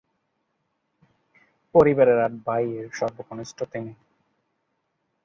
পরিবারের আট ভাইয়ের সর্বকনিষ্ঠ তিনি।